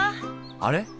あれ？